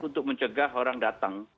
untuk mencegah orang datang